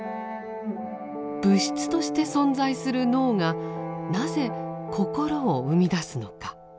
物質として存在する脳がなぜ心を生み出すのか。